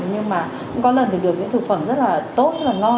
nhưng mà cũng có lần thì được những thực phẩm rất là tốt rất là ngon